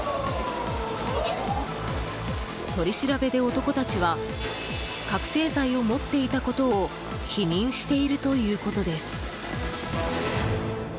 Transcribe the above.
取り調べで男たちは覚醒剤を持っていたことを否認しているということです。